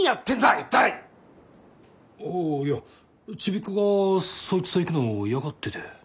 あいやちびっこがそいつと行くの嫌がってて。